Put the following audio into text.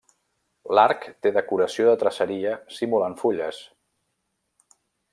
L'arc té decoració de traceria simulant fulles.